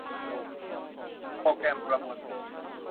โปรแกรมประมวลผล